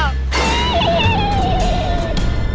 namam siapa pak